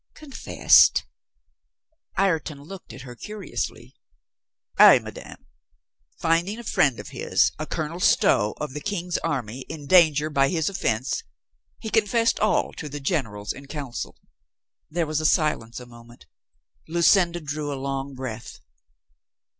"Confessed !" Ireton looked at her curiously. "Ay, madame; finding a friend of his, a Colonel Stow, of the King's army, in danger by his offense, he confessed all to the generals in council." There was silence a moment. Lucinda drew a long breath.